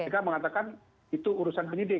mereka mengatakan itu urusan penyidik